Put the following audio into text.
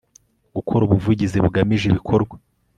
gukora ubuvugizi bugamije ibikorwa